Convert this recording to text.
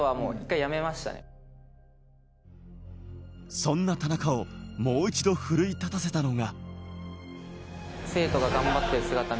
そんな田中をもう一度奮い立たせたのが。